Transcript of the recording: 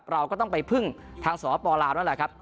เราก็ต้องไปพึ่งทางสปลาวนั่นแหละครับ